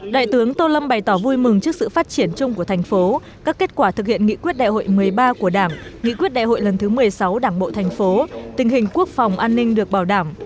đại tướng tô lâm bày tỏ vui mừng trước sự phát triển chung của thành phố các kết quả thực hiện nghị quyết đại hội một mươi ba của đảng nghị quyết đại hội lần thứ một mươi sáu đảng bộ thành phố tình hình quốc phòng an ninh được bảo đảm